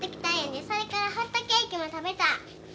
それからホットケーキも食べた。